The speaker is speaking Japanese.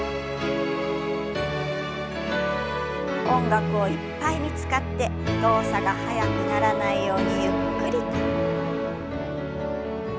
音楽をいっぱいに使って動作が速くならないようにゆっくりと。